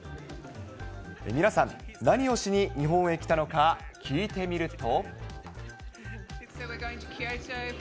皆さん、何をしに日本へ来たのか、聞いてみると。